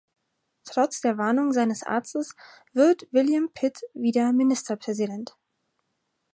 Trotz der Warnungen seines Arztes wird William Pitt wieder Ministerpräsident.